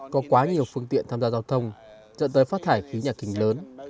có quá nhiều phương tiện tham gia giao thông dẫn tới phát thải khí nhà thình lớn